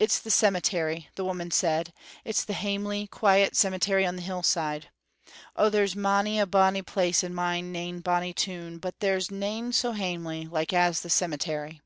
"It's the cemetery," the woman said, "it's the hamely, quiet cemetery on the hillside. Oh, there's mony a bonny place in my nain bonny toon, but there's nain so hamely like as the cemetery."